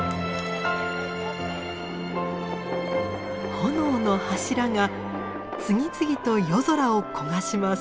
炎の柱が次々と夜空を焦がします。